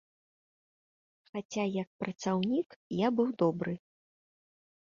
Хаця як працаўнік я быў добры.